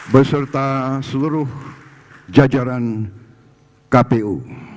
beserta seluruh jajaran kpu